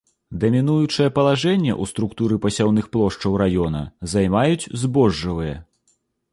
Дамінуючае палажэнне ў структуры пасяўных плошчаў раёна займаюць збожжавыя.